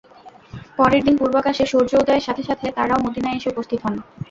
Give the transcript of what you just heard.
পরের দিন পূর্বাকাশে সূর্য উদয়ের সাথে সাথে তারাও মদীনায় এসে উপস্থিত হন।